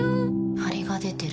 ハリが出てる。